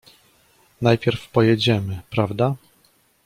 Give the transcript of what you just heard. "Najpierwej pojedziemy, prawda?"